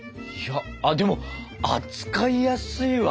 あでも扱いやすいわ！